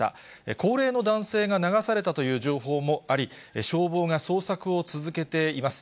高齢の男性が流されたという情報もあり、消防が捜索を続けています。